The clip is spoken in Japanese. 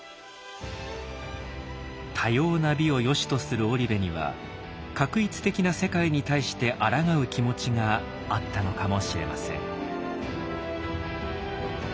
多様な美をよしとする織部には画一的な世界に対してあらがう気持ちがあったのかもしれません。